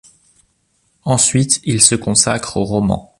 Ensuite il se consacre au roman.